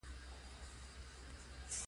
که جوړښتونه په سمه بڼه اصلاح نه شي.